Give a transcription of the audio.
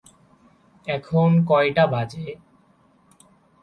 এখন কয়টা বাজে?